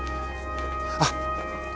あっ。